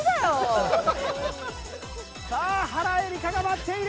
さあ原英莉花が待っている！